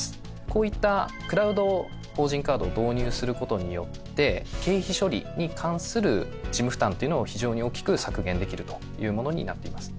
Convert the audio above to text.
こういったクラウド法人カードを導入する事によって経費処理に関する事務負担というのを非常に大きく削減できるというものになっています。